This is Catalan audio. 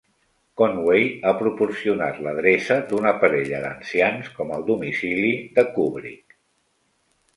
Conway ha proporcionat l'adreça d'una parella d'ancians com el domicili de Kubrick.